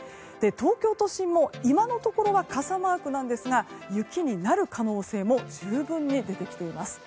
東京都心も今のところは傘マークなんですが雪になる可能性も十分に出てきています。